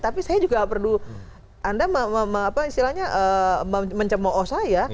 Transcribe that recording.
tapi saya juga gak perlu anda mencemo'oh saya